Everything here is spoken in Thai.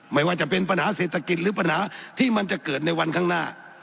ไม่ว่าจะเป็นปัญหาเศรษฐกิจหรือปัญหาที่มันจะเกิดในวันข้างหน้า